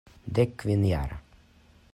Dekkvinjara.